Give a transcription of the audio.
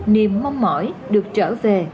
niềm mong mỏi được trở về